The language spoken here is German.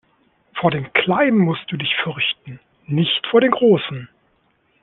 Vor den kleinen musst du dich fürchten, nicht vor den großen!